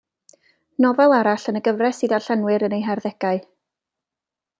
Nofel arall yn y gyfres i ddarllenwyr yn eu harddegau.